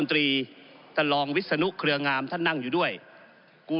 ก็ได้มีการอภิปรายในภาคของท่านประธานที่กรกครับ